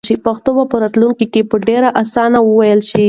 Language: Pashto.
پښتو به په راتلونکي کې په ډېرې اسانۍ وویل شي.